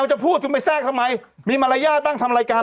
ไม่รู้เจ้าจะเป็นอย่างนี้อ่ะ